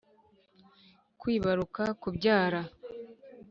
kwibaruka: kubyara.